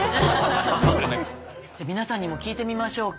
じゃあ皆さんにも聞いてみましょうか。